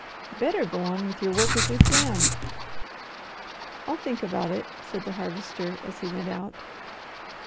"Better go on with your work as we planned." "I'll think about it," said the Harvester as he went out.